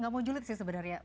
gak mau julid sih sebenarnya